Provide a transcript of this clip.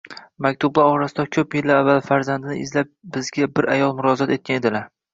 Maktublar orasida ko‘p yillar avval farzandini izlab bizga bir ayol murojat etgan edilar.